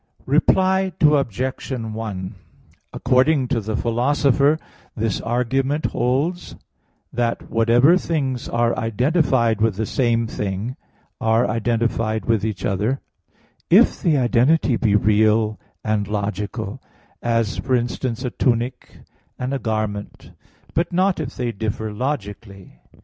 Reply Obj. 1: According to the Philosopher (Phys. iii), this argument holds, that whatever things are identified with the same thing are identified with each other, if the identity be real and logical; as, for instance, a tunic and a garment; but not if they differ logically.